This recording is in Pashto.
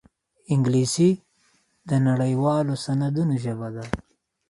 انګلیسي د نړيوالو سندونو ژبه ده